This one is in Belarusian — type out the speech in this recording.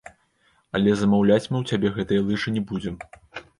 Але замаўляць мы ў цябе гэтыя лыжы не будзем.